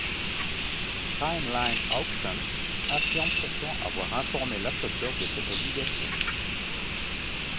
TimeLine Auctions affirme pourtant avoir informé l'acheteur de cette obligation.